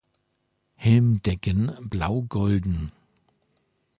Helmdecken blau-golden".